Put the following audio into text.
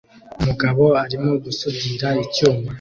Umugabo arimo gusudira icyuma